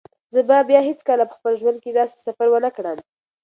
زه به بیا هیڅکله په خپل ژوند کې داسې سفر ونه کړم.